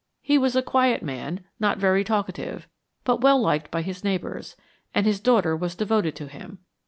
He was a quiet man, not very talkative, but well liked by his neighbors, and his daughter was devoted to him.